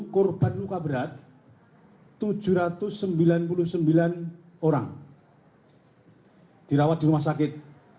satu korban luka berat tujuh ratus sembilan puluh sembilan orang dirawat di rumah sakit